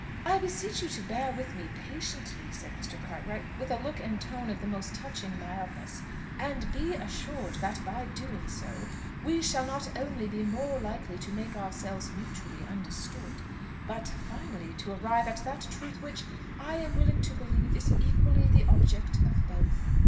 "I beseech you to bear with me patiently," said Mr. Cartwright with a look and tone of the most touching mildness; "and be assured that by doing so, we shall not only be more likely to make ourselves mutually understood, but finally to arrive at that truth which, I am willing to believe, is equally the object of both.